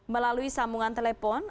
melalui sambungan telepon